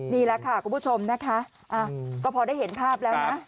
นี่แหละค่ะคุณผู้ชมนะคะก็พอได้เห็นภาพแล้วนะ